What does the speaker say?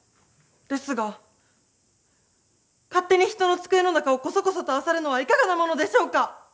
ですが勝手に人の机の中をコソコソとあさるのはいかがなものでしょうか？